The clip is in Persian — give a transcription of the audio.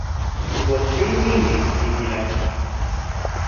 این بطری نیم لیتر میگیرد.